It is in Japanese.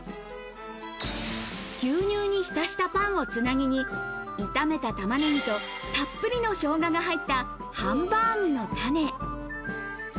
牛乳に浸したパンをつなぎに、炒めた玉ねぎと、たっぷりの生姜が入ったハンバーグのタネ。